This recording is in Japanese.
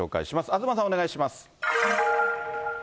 東さんお願いします。